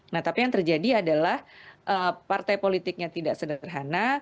nah tapi yang terjadi adalah partai politiknya tidak sederhana